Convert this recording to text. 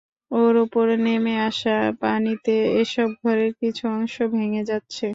ওপর থেকে নেমে আসা পানিতে এসব ঘরের কিছু অংশ ভেঙে যাচ্ছে।